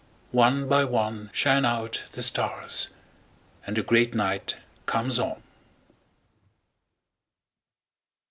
One by one14Shine out the stars, and the great night comes on.